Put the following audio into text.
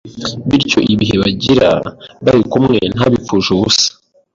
bityo ibihe bagira bari kumwe ntabipfushe ubusa.